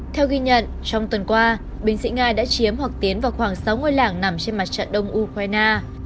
theo ghi nhận trong tuần qua binh sĩ nga đã chiếm hoặc tiến vào khoảng sáu ngôi làng nằm trên mặt trận đông ukraine